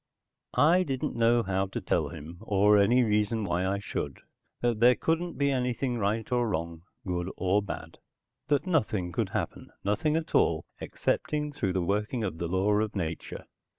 I didn't know how to tell him, or any reason why I should, that there couldn't be anything right or wrong, good or bad; that nothing could happen, nothing at all, excepting through the working of the law of nature.